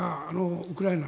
ウクライナと。